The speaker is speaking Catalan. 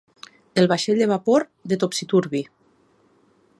El vaixell de vapor de Topsy-turvy.